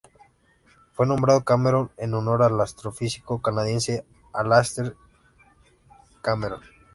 Fue nombrado Cameron en honor al astrofísico canadiense Alastair G. W. Cameron.